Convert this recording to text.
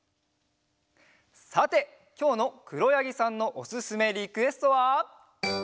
さてきょうのくろやぎさんのおすすめリクエストは。